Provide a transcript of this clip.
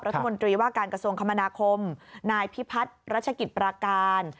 รัฐมนตรีว่าการกระทรวงคมนาคมนายพิพัฒน์รัชกิจประการ